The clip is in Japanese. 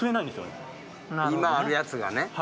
今あるやつがね。